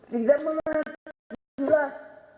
tidak mengenal jelas